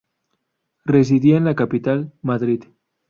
Residía en la capital, Madrid.